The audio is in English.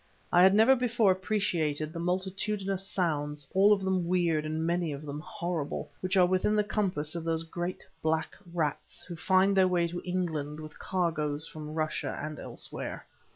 I had never before appreciated the multitudinous sounds, all of them weird and many of them horrible, which are within the compass of those great black rats who find their way to England with cargoes from Russia and elsewhere.